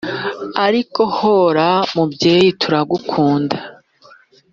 ariko hora mubyeyi turagukunda